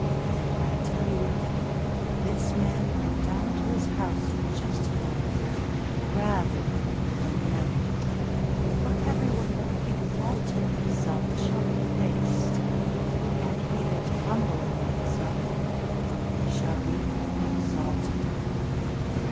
I tell you that this man went to his house More justified than the other. Every one That doth exalt himself shall be abased, And he that humbleth himself shall be exalted!